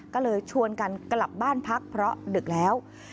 ก็เลยชวนกันกลับบ้านพักเพราะดึกแล้ว